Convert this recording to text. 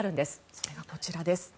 それがこちらです。